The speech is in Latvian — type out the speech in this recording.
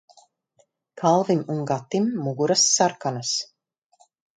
Kalvim un Gatim muguras sarkanas.